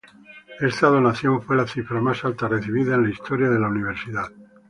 Esta donación fue la cifra más alta recibida en la historia de la Universidad.